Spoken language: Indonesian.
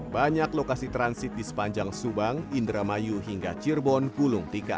banyak lokasi transit di sepanjang subang indramayu hingga cirebon gulung tiga